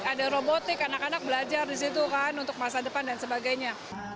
ada robotik anak anak belajar di situ kan untuk masa depan dan sebagainya